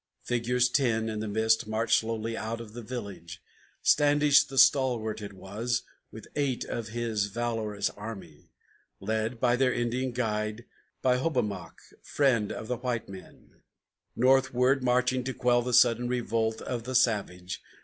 Figures ten, in the mist, marched slowly out of the village. Standish the stalwart it was, with eight of his valorous army, Led by their Indian guide, by Hobomok, friend of the white men, Northward marching to quell the sudden revolt of the savage.